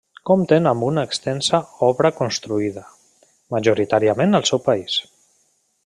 Compten amb una extensa obra construïda, majoritàriament al seu país.